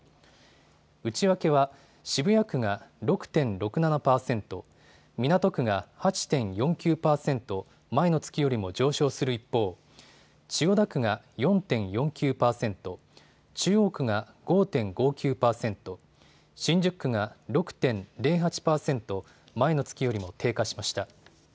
内訳は、渋谷区が６．６７％、港区が８．４９％、前の月よりも上昇する一方、千代田区が４．４９％、中央区が５．５９％、新宿区が６．０８％、前の月よりも低下しました。